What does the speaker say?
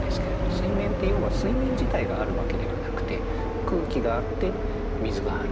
水面って要は水面自体があるわけではなくて空気があって水がある。